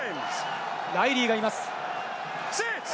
ライリーがいます。